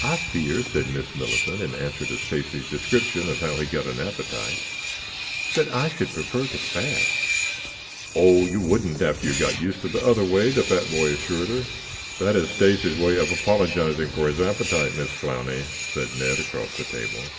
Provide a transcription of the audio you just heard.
"I fear," said Miss Millicent, in answer to Stacy's description of how he got an appetite, "that I should prefer to fast." "Oh, you wouldn't after you got used to the other way," the fat boy assured her. "That is Stacy's way of apologizing for his appetite, Miss Clowney," said Ned across the table.